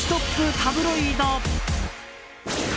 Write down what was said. タブロイド。